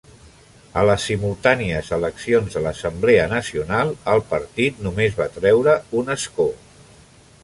A les simultànies eleccions a l'Assemblea Nacional, el partit només va treure un escó.